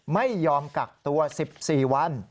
ไม่ยอมกักตัว๑๔วัน